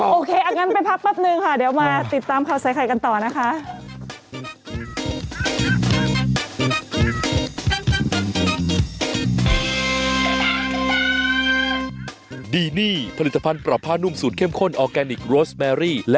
โอเคอันนั้นไปพักแป๊บนึงค่ะเดี๋ยวมาติดตามข่าวใส่ไข่กันต่อนะคะ